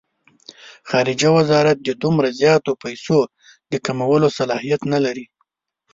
خارجه وزارت د دومره زیاتو پیسو د کمولو صلاحیت نه لري.